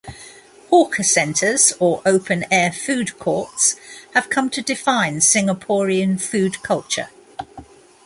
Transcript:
Hawker centres, or open air food courts, have come to define Singaporean food culture.